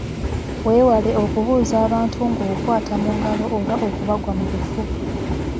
Weewale okubuuza abantu ng’okwata mu ngalo oba okubagwa mu bifuba.